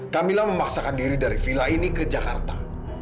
kamilah memaksakan diri dari villa ini ke jakarta